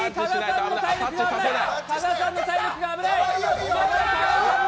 加賀さんの体力が危ない！